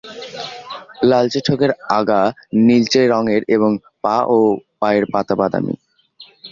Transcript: লালচে ঠোঁটের আগা নীলচে রঙের এবং পা ও পায়ের পাতা বাদামি।